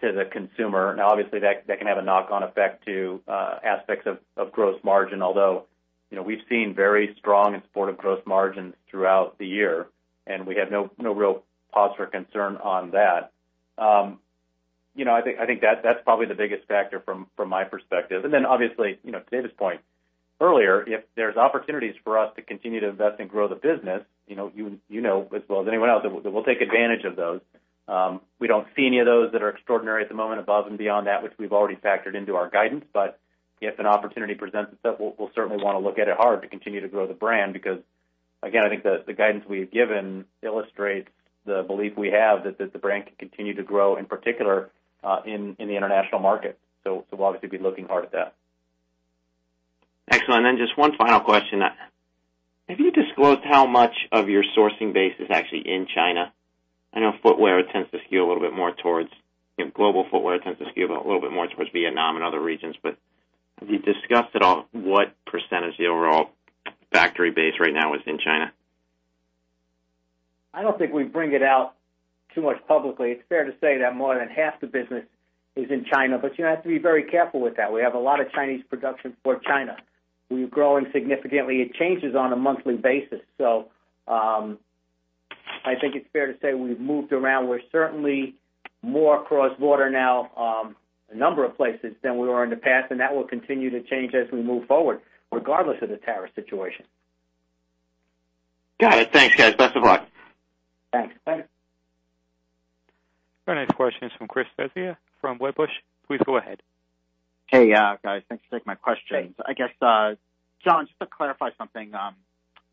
to the consumer. Obviously, that can have a knock-on effect to aspects of gross margin. Although, we've seen very strong and supportive gross margins throughout the year, and we have no real cause for concern on that. I think that's probably the biggest factor from my perspective. Obviously, to David's point earlier, if there's opportunities for us to continue to invest and grow the business, you know as well as anyone else that we'll take advantage of those. We don't see any of those that are extraordinary at the moment above and beyond that which we've already factored into our guidance. If an opportunity presents itself, we'll certainly want to look at it hard to continue to grow the brand. Again, I think the guidance we have given illustrates the belief we have that the brand can continue to grow, in particular in the international market. We'll obviously be looking hard at that. Excellent. Just one final question. Have you disclosed how much of your sourcing base is actually in China? I know footwear tends to skew a little bit more towards global footwear tends to skew a little bit more towards Vietnam and other regions. Have you discussed at all what percentage of the overall factory base right now is in China? I don't think we bring it out too much publicly. It's fair to say that more than half the business is in China, but you have to be very careful with that. We have a lot of Chinese production for China. We're growing significantly. It changes on a monthly basis. I think it's fair to say we've moved around. We're certainly more cross-border now a number of places than we were in the past, and that will continue to change as we move forward, regardless of the tariff situation. Got it. Thanks, guys. Best of luck. Thanks. Our next question is from Christopher Svezia from Wedbush. Please go ahead. Hey, guys. Thanks for taking my question. Hey. I guess, John, just to clarify something,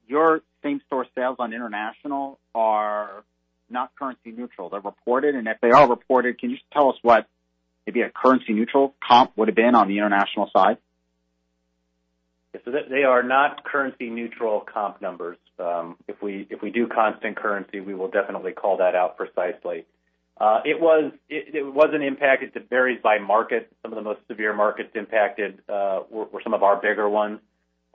your same-store sales on international are not currency neutral. They're reported, and if they are reported, can you just tell us what maybe a currency neutral comp would've been on the international side? Yes. They are not currency neutral comp numbers. If we do constant currency, we will definitely call that out precisely. It was an impact. It varies by market. Some of the most severe markets impacted were some of our bigger ones.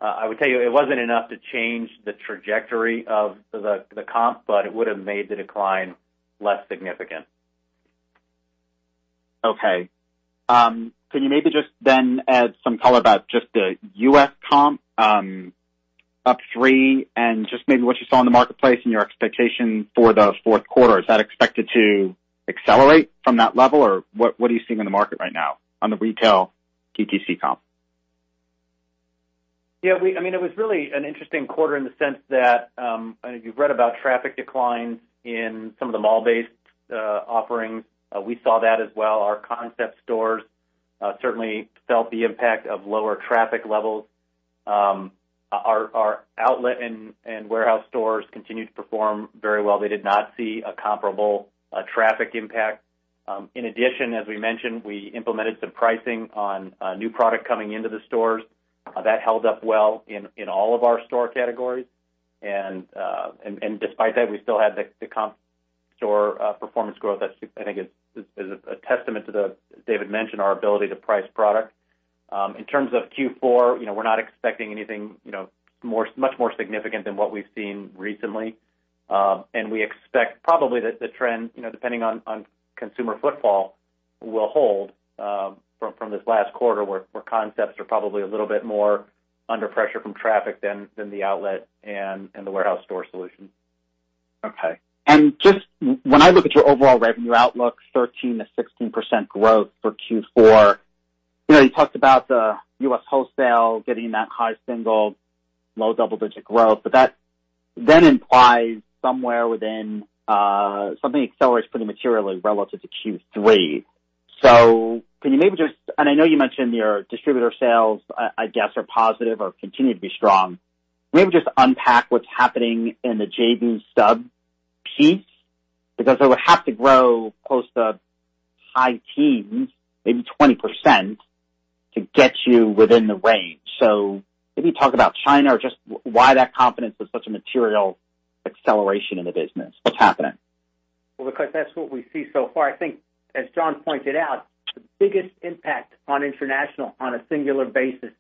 I would tell you, it wasn't enough to change the trajectory of the comp, but it would've made the decline less significant. Okay. Can you maybe just then add some color about just the U.S. comp up three and just maybe what you saw in the marketplace and your expectation for the fourth quarter? Is that expected to accelerate from that level? What are you seeing in the market right now on the retail DTC comp? Yeah. It was really an interesting quarter in the sense that, I know you've read about traffic declines in some of the mall-based offerings. We saw that as well. Our concept stores certainly felt the impact of lower traffic levels. Our outlet and warehouse stores continued to perform very well. They did not see a comparable traffic impact. In addition, as we mentioned, we implemented some pricing on new product coming into the stores. That held up well in all of our store categories. Despite that, we still had the comp store performance growth. I think it's a testament to the, David mentioned, our ability to price product. In terms of Q4, we're not expecting anything much more significant than what we've seen recently. We expect probably that the trend, depending on consumer footfall, will hold from this last quarter where concepts are probably a little bit more under pressure from traffic than the outlet and the warehouse store solution. When I look at your overall revenue outlook, 13%-16% growth for Q4, you talked about the U.S. wholesale getting that high single, low double-digit growth, that then implies somewhere within something accelerates pretty materially relative to Q3. Can you maybe just, I know you mentioned your distributor sales I guess are positive or continue to be strong. Maybe just unpack what's happening in the JV sub piece, because it would have to grow close to high teens, maybe 20%, to get you within the range. Maybe talk about China or just why that confidence is such a material acceleration in the business. What's happening? That's what we see so far. I think as John pointed out, the biggest impact on international on a singular basis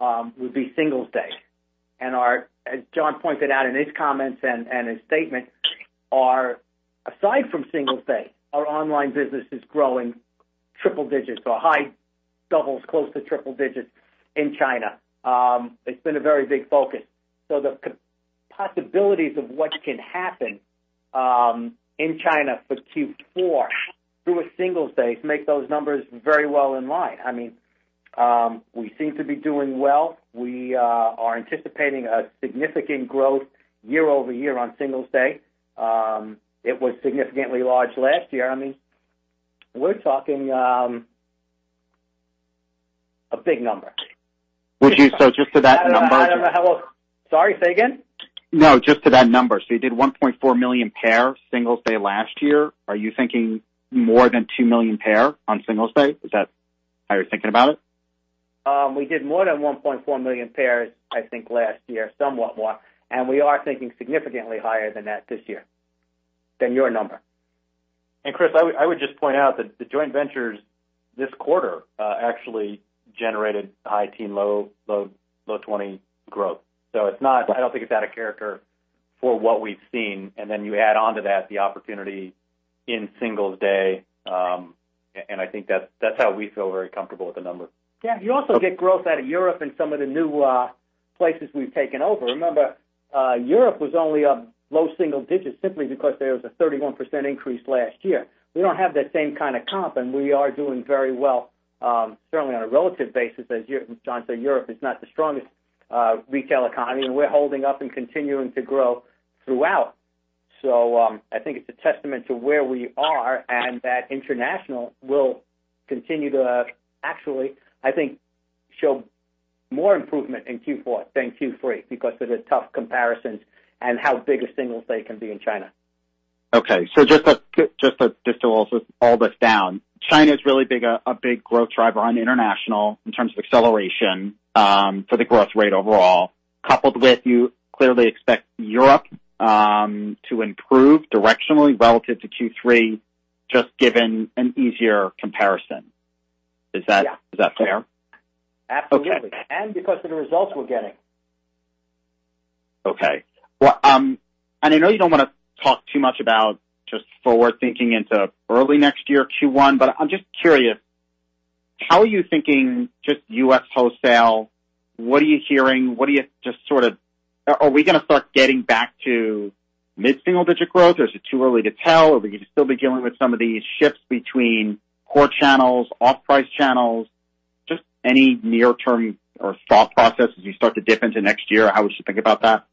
would be Singles' Day. As John pointed out in his comments and his statement, aside from Singles' Day, our online business is growing triple digits or high doubles, close to triple digits in China. It's been a very big focus. The possibilities of what can happen in China for Q4 through a Singles' Day make those numbers very well in line. We seem to be doing well. We are anticipating a significant growth year-over-year on Singles' Day. It was significantly large last year. We are talking a big number. Would you? I don't know how else Sorry, say again? No, just to that number. You did 1.4 million pair Singles' Day last year. Are you thinking more than 2 million pair on Singles' Day? Is that how you're thinking about it? We did more than 1.4 million pairs, I think last year, somewhat more, we are thinking significantly higher than that this year. Than your number. Chris, I would just point out that the joint ventures this quarter actually generated high teen, low 20 growth. I don't think it's out of character for what we've seen. Then you add onto that the opportunity in Singles' Day. I think that's how we feel very comfortable with the number. Yeah. You also get growth out of Europe and some of the new places we've taken over. Remember, Europe was only a low single digits simply because there was a 31% increase last year. We don't have that same kind of comp, and we are doing very well, certainly on a relative basis as John said, Europe is not the strongest retail economy, and we're holding up and continuing to grow throughout. I think it's a testament to where we are and that international will continue to actually, I think, show more improvement in Q4 than Q3 because of the tough comparisons and how big a Singles' Day can be in China. Okay. Just to also all this down, China is really a big growth driver on international in terms of acceleration for the growth rate overall, coupled with you clearly expect Europe to improve directionally relative to Q3, just given an easier comparison. Is that fair? Yeah. Absolutely. Okay. Because of the results we're getting. I know you don't want to talk too much about just forward thinking into early next year, Q1, but I'm just curious, how are you thinking just U.S. wholesale, what are you hearing? Are we going to start getting back to mid-single digit growth, or is it too early to tell, or we could still be dealing with some of these shifts between core channels, off-price channels? Just any near-term or thought process as we start to dip into next year? How we should think about that?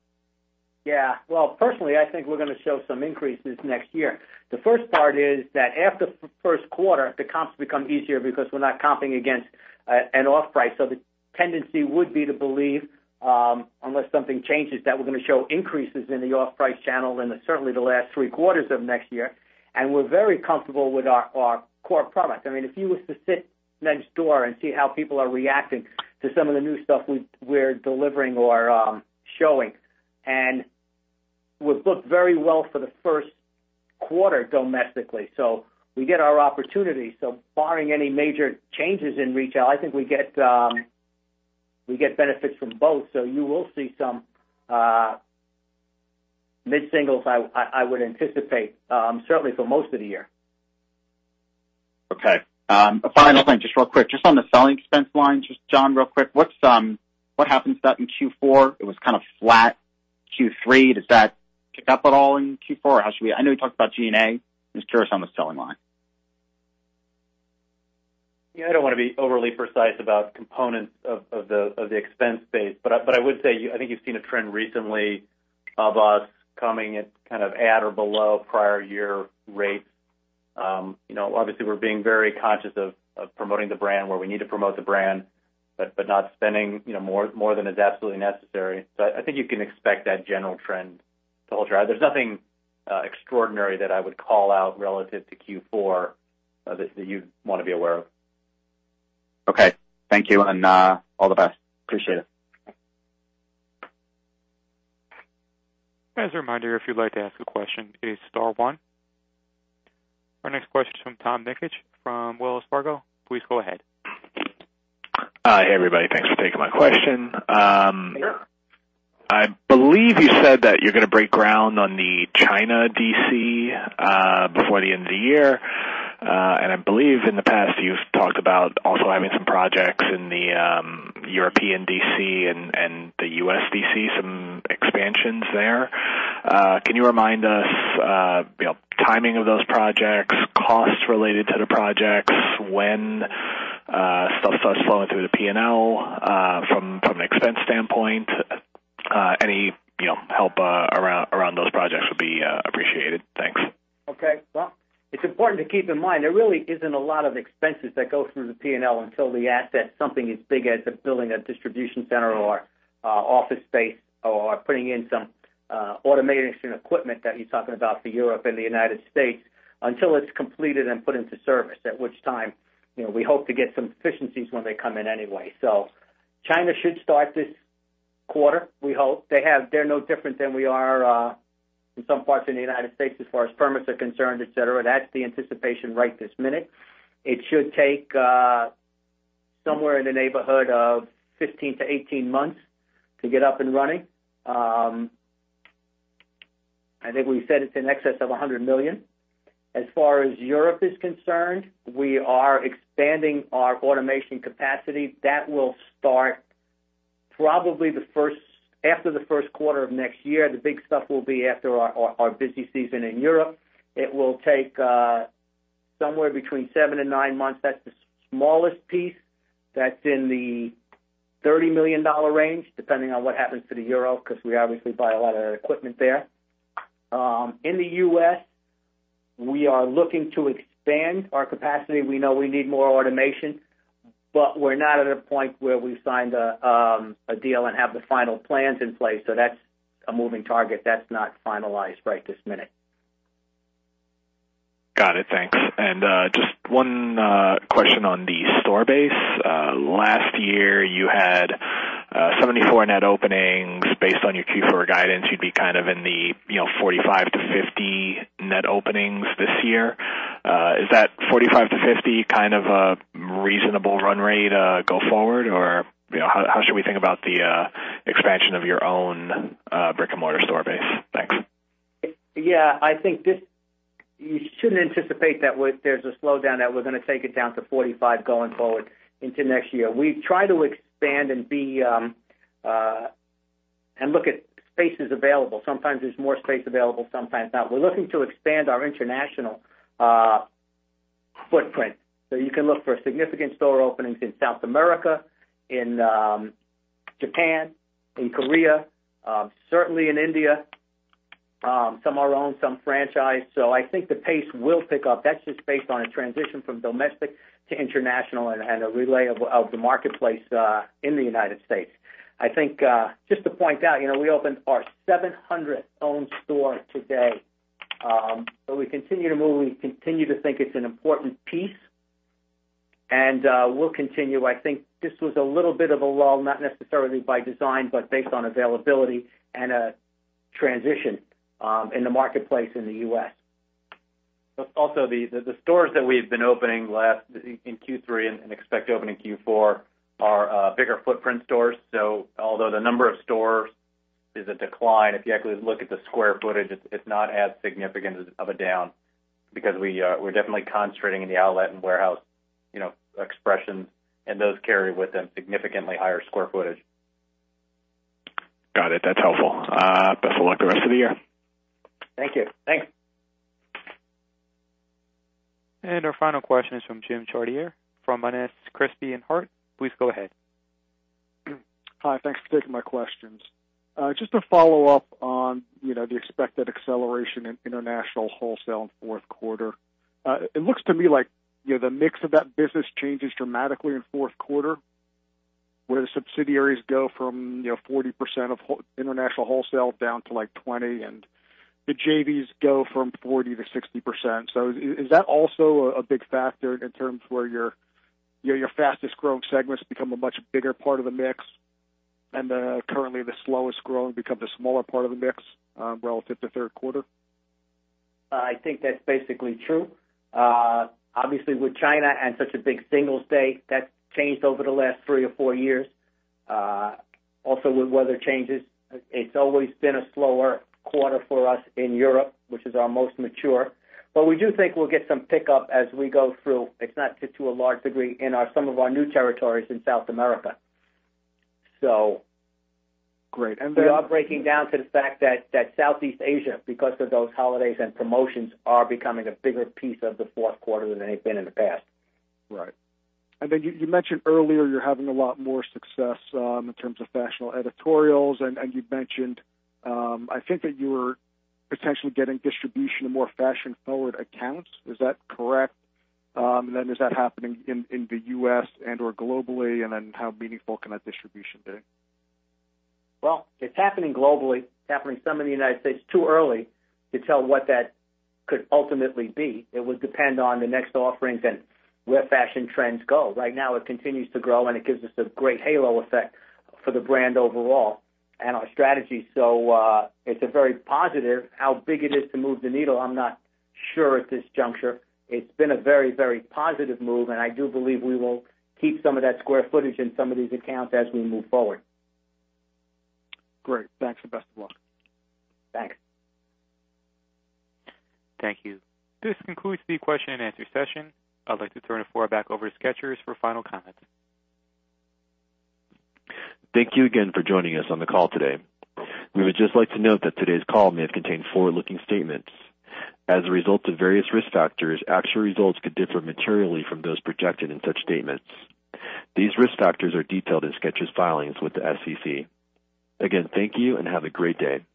Personally, I think we're going to show some increases next year. The first part is that after the first quarter, the comps become easier because we're not comping against an off-price. The tendency would be to believe, unless something changes, that we're going to show increases in the off-price channel and certainly the last three quarters of next year, and we're very comfortable with our core product. If you was to sit next door and see how people are reacting to some of the new stuff we're delivering or showing, and we've looked very well for the first quarter domestically. We get our opportunity. Barring any major changes in retail, I think we get benefits from both. You will see some mid-singles, I would anticipate, certainly for most of the year. A final thing, just real quick. Just on the selling expense line, just John, real quick, what happens to that in Q4? It was kind of flat Q3. Does that kick up at all in Q4, or how should we? I know we talked about G&A. Just curious on the selling line. I don't want to be overly precise about components of the expense base, but I would say, I think you've seen a trend recently of us coming at kind of at or below prior year rate. We're being very conscious of promoting the brand where we need to promote the brand, but not spending more than is absolutely necessary. I think you can expect that general trend to hold true. There's nothing extraordinary that I would call out relative to Q4 that you'd want to be aware of. Okay. Thank you, and all the best. Appreciate it. As a reminder, if you'd like to ask a question, it is star one. Our next question is from Tom Nikic from Wells Fargo. Please go ahead. Hi, everybody. Thanks for taking my question. Sure. I believe you said that you're going to break ground on the China D.C. before the end of the year. I believe in the past, you've talked about also having some projects in the European D.C. and the U.S. D.C., some expansions there. Can you remind us timing of those projects, costs related to the projects, when stuff starts flowing through the P&L from an expense standpoint? Any help around those projects would be appreciated. Thanks. Okay. Well, it's important to keep in mind, there really isn't a lot of expenses that go through the P&L until the asset, something as big as building a distribution center or office space or putting in some automation equipment that he's talking about for Europe and the United States, until it's completed and put into service, at which time we hope to get some efficiencies when they come in anyway. China should start this quarter, we hope. They're no different than we are in some parts in the United States as far as permits are concerned, et cetera. That's the anticipation right this minute. It should take somewhere in the neighborhood of 15-18 months to get up and running. I think we said it's in excess of $100 million. As far as Europe is concerned, we are expanding our automation capacity. That will start probably after the first quarter of next year. The big stuff will be after our busy season in Europe. It will take somewhere between seven and nine months. That's the smallest piece. That's in the $30 million range, depending on what happens to the euro, because we obviously buy a lot of equipment there. In the U.S., we are looking to expand our capacity. We know we need more automation, but we're not at a point where we've signed a deal and have the final plans in place. That's a moving target. That's not finalized right this minute. Got it. Thanks. Just one question on the store base. Last year, you had 74 net openings. Based on your Q4 guidance, you'd be kind of in the 45 to 50 net openings this year. Is that 45 to 50 kind of a reasonable run rate go forward? Or how should we think about the expansion of your own brick-and-mortar store base? Thanks. I think you shouldn't anticipate that there's a slowdown that we're going to take it down to 45 going forward into next year. We try to expand and look at spaces available. Sometimes there's more space available, sometimes not. We're looking to expand our international footprint. You can look for significant store openings in South America, in Japan, in Korea, certainly in India. Some are owned, some franchised. I think the pace will pick up. That's just based on a transition from domestic to international and a relay of the marketplace in the U.S. I think just to point out, we opened our 700th own store today. We continue to move. We continue to think it's an important piece, and we'll continue. I think this was a little bit of a lull, not necessarily by design, but based on availability and a transition in the marketplace in the U.S. The stores that we've been opening in Q3 and expect to open in Q4 are bigger footprint stores. Although the number of stores is a decline, if you actually look at the square footage, it's not as significant of a down because we're definitely concentrating in the outlet and warehouse expressions, and those carry with them significantly higher square footage. Got it. That's helpful. Best of luck the rest of the year. Thank you. Thanks. Our final question is from Jim Chartier from Monness, Crespi, & Hardt. Please go ahead. Hi. Thanks for taking my questions. Just to follow up on the expected acceleration in international wholesale in fourth quarter. It looks to me like the mix of that business changes dramatically in fourth quarter, where the subsidiaries go from 40% of international wholesale down to 20%, and the JVs go from 40% to 60%. Is that also a big factor in terms where your fastest-growing segments become a much bigger part of the mix and currently the slowest growing becomes a smaller part of the mix relative to the third quarter? I think that's basically true. Obviously, with China and such a big Singles' Day, that's changed over the last three or four years. Also with weather changes, it's always been a slower quarter for us in Europe, which is our most mature. We do think we'll get some pickup as we go through, if not to a large degree, in some of our new territories in South America. Great. We are breaking down to the fact that Southeast Asia, because of those holidays and promotions, are becoming a bigger piece of the fourth quarter than they've been in the past. Right. You mentioned earlier you're having a lot more success in terms of fashion editorials, and you mentioned, I think that you were potentially getting distribution in more fashion-forward accounts. Is that correct? Is that happening in the U.S. and/or globally, and then how meaningful can that distribution be? It's happening globally. It's happening some in the United States. Too early to tell what that could ultimately be. It would depend on the next offerings and where fashion trends go. Right now, it continues to grow, and it gives us a great halo effect for the brand overall and our strategy. It's very positive. How big it is to move the needle, I'm not sure at this juncture. It's been a very, very positive move, and I do believe we will keep some of that square footage in some of these accounts as we move forward. Great. Thanks. Best of luck. Thanks. Thank you. This concludes the question and answer session. I'd like to turn the floor back over to Skechers for final comments. Thank you again for joining us on the call today. We would just like to note that today's call may have contained forward-looking statements. As a result of various risk factors, actual results could differ materially from those projected in such statements. These risk factors are detailed in Skechers' filings with the SEC. Again, thank you. Have a great day.